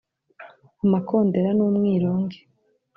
amakondera n’umwirongi